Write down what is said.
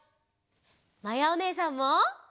まやおねえさんも！